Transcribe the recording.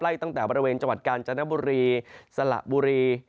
ตั้งแต่บริเวณจังหวัดกาญจนบุรีสละบุรี